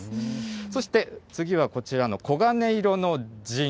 そして次はこちらの黄金色のジン。